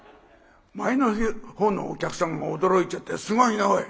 前のほうのお客さんが驚いちゃって「すごいねおい。